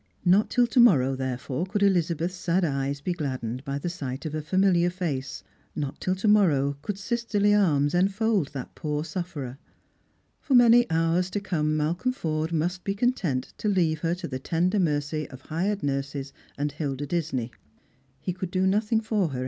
Not till to morrow therefore could Elizabeth's sad eyes be glad dened by the sight of a familiar face, not till to morrow could fiiflterly arms enibld that poor suffei er. For many hours to come Malcolm Forde nnr j be content to leave her to the tender mercy »f hired nurses apd Hilda Disney. He could do nothing for her Strangers and Pilgrims.